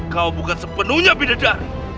kau bukan sepenuhnya bidadari